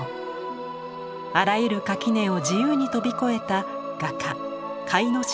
あらゆる垣根を自由に飛び越えた画家甲斐荘楠音。